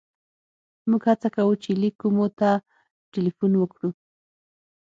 موږ هڅه کوو چې لېک کومو ته ټېلیفون وکړو.